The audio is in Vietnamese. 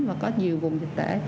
và có nhiều vùng dịch tễ